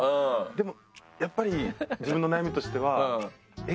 でもやっぱり自分の悩みとしては。